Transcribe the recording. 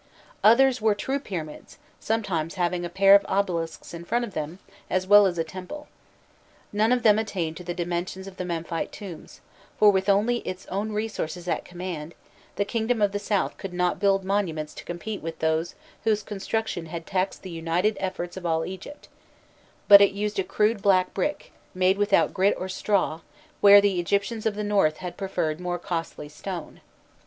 Others were true pyramids, sometimes having a pair of obelisks in front of them, as well as a temple. None of them attained to the dimensions of the Memphite tombs; for, with only its own resources at command, the kingdom of the south could not build monuments to compete with those whose construction had taxed the united efforts of all Egypt, but it used a crude black brick, made without grit or straw, where the Egyptians of the north had preferred more costly stone.